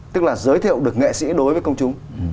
tức là giới thiệu được nghệ sĩ đối với công chúng